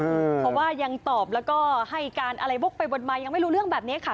เพราะว่ายังตอบแล้วก็ให้การอะไรวกไปวนมายังไม่รู้เรื่องแบบนี้ค่ะ